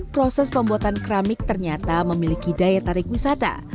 proses pembuatan keramik ternyata memiliki daya tarik wisata